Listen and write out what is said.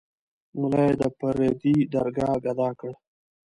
ملا یې د پردي درګاه ګدا کړ.